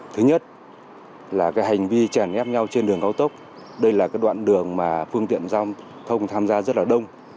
thứ nhất là cái hành vi chèn ép nhau trên đường cao tốc đây là cái đoạn đường mà phương tiện giao thông tham gia rất là đông